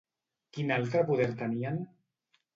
Quin altre poder tenien?